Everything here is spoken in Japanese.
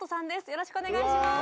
よろしくお願いします。